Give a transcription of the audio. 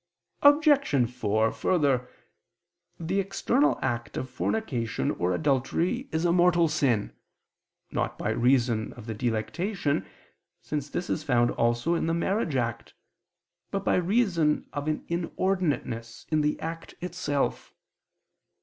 Obj. 4: Further, the external act of fornication or adultery is a mortal sin, not by reason of the delectation, since this is found also in the marriage act, but by reason of an inordinateness in the act itself.